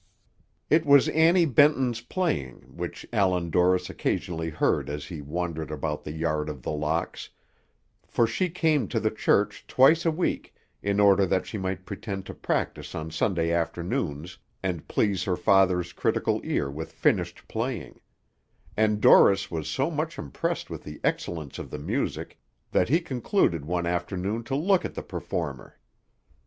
It was Annie Benton's playing which Allan Dorris occasionally heard as he wandered about the yard of The Locks, for she came to the church twice a week in order that she might pretend to practise on Sunday afternoons, and please her father's critical ear with finished playing; and Dorris was so much impressed with the excellence of the music that he concluded one afternoon to look at the performer.